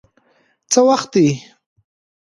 څه وخت دی؟